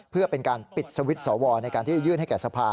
เพื่อเป็นการปิดสวิตช์สวในการที่จะยื่นให้แก่สภา